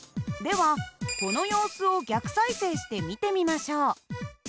この様子を逆再生して見てみましょう。